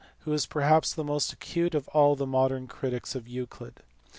who is perhaps the most acute of all the modern critics of Euclid.